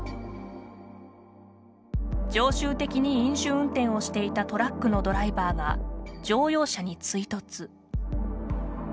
常習的に飲酒運転をしていたトラックのドライバーが乗用車に追突。